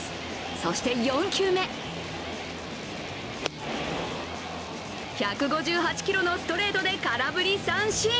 そして４球目１５８キロのストレートで空振り三振。